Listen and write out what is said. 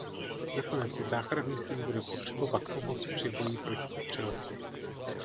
Nakonec i záchranný tým bude potřebovat pomoc při boji proti vetřelci.